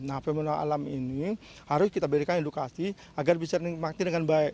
nah fenomena alam ini harus kita berikan edukasi agar bisa dinikmati dengan baik